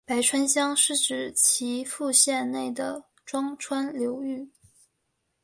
白川乡是指岐阜县内的庄川流域。